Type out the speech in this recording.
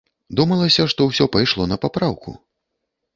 Думалася, што ўсё пайшло на папраўку.